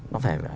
nó phải là